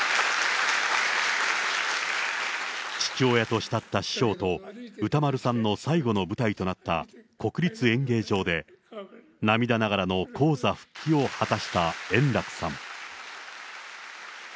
父親と慕った師匠と、歌丸さんの最後の舞台となった国立演芸場で、涙ながらの高座復帰を果たした円楽さん。